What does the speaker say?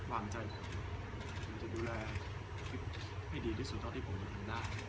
วางใจผมจะดูแลให้ดีที่สุดเท่าที่ผมจะทำได้